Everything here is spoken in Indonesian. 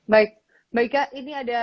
baik mbak ika ini ada